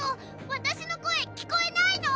私の声聞こえないの？